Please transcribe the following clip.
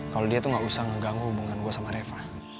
kalau dia tuh gak usah ngeganggu hubungan gue sama reva